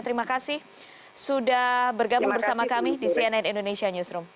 terima kasih sudah bergabung bersama kami di cnn indonesia newsroom